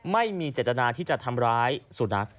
ไม่มีเจตนาที่จะทำร้ายสุนัข